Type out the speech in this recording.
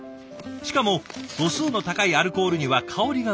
しかも度数の高いアルコールには香りが移りやすい。